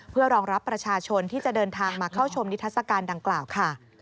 เพื่อรองรับประชาชนที่จะเดินทางมาเข้าชมนิทัศกาลดังกล่าวค่ะ